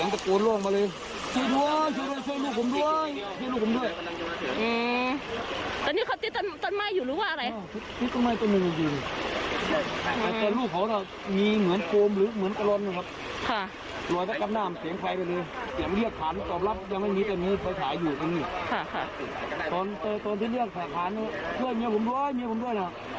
ตอนที่เรียกขาขานเครื่องเงียบผมด้วยเครื่องเงียบผมด้วยนะ